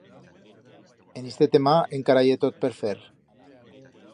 En iste tema encara ye tot per fer.